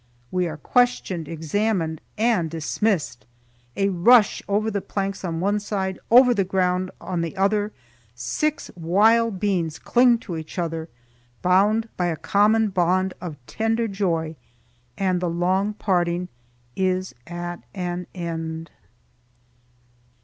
We are questioned, examined, and dismissed! A rush over the planks on one side, over the ground on the other, six wild beings cling to each other, bound by a common bond of tender joy, and the long parting is at an END.